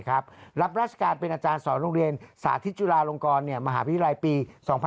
รับราชการเป็นอาจารย์สอนโรงเรียนสาธิตจุฬาลงกรมหาวิทยาลัยปี๒๕๖๒